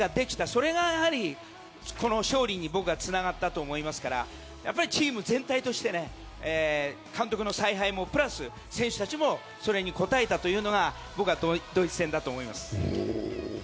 それが勝利につながったと思いますからやっぱりチーム全体として監督の采配もプラス選手たちもそれに応えたというのがドイツ戦だと思います。